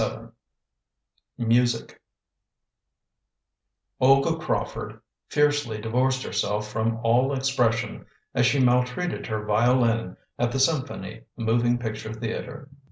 MUSIC OLGA CRAWFORD fiercely divorced herself from all expression as she maltreated her violin at the Symphony Moving Picture Theater.